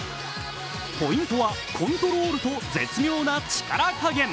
ポイントは、コントロールと絶妙な力加減。